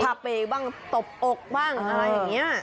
เปกบ้างตบอกบ้างอะไรอย่างนี้